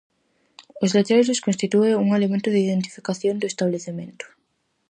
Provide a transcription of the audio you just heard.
Os letreiros constitúen un elemento de identificación do establecemento.